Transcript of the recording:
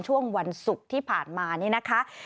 ช่วงวันศุกร์ที่ผ่านมานี่นะคะ